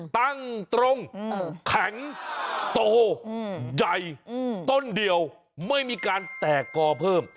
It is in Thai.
ตั้งตรงแข็งโตใหญ่ต้นเดียวไม่มีการแตกกอเพิ่ม